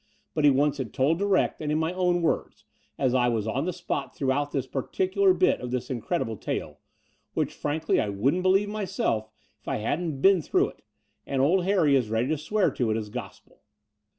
But he wants it told direct and in my own words, as I was on the spot throughout this particular bit of this incredible tale, which frankly I wouldn't believe myself if I hadn't been through it: and old Harry is ready to swear to it as gospel.